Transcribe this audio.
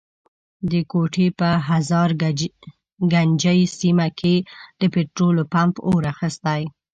د کوټي په هزارګنجۍ سيمه کي د پټرولو پمپ اور اخستی.